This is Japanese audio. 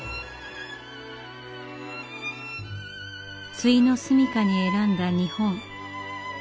ついの住みかに選んだ日本。